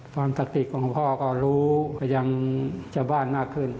ความสักติกของพ่อก็รู้ยังเจ้าบ้านมากขึ้น